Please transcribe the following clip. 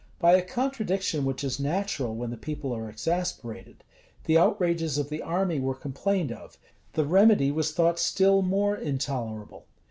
By a contradiction which is natural when the people are exasperated, the outrages of the army were complained of; the remedy was thought still more intolerable.